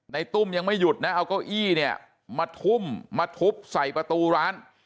ตุ้มยังไม่หยุดนะเอาเก้าอี้เนี่ยมาทุ่มมาทุบใส่ประตูร้าน